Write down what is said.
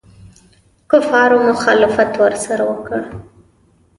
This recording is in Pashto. کفارو مخالفت ورسره وکړ.